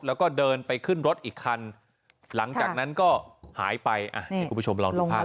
แล้วก็เดินไปขึ้นรถอีกคันหลังจากนั้นก็หายไปอ่ะให้คุณผู้ชมลองดูภาพ